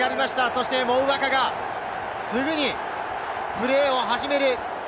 そしてモウヴァカがすぐにプレーを始める。